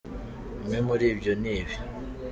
Bimwe muri byo ni ibi :